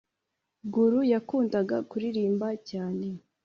gulu yakundaga kuririmba cyane